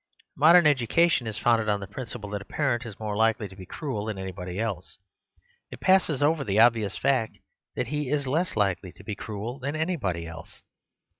Modern education is founded on the principle that a parent is more likely to be cruel than anybody else. It passes over the obvious fact that he is less likely to be cruel than anybody else.